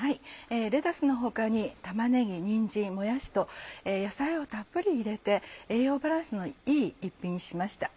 レタスの他に玉ねぎにんじんもやしと野菜をたっぷり入れて栄養バランスのいい一品にしました。